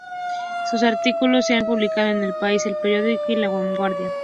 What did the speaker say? Sus artículos se han publicado en "El País", "El Periódico" y "La Vanguardia".